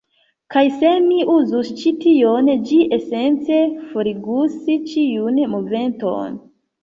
Kaj se mi uzus ĉi tion, ĝi esence forigus ĉiun moveton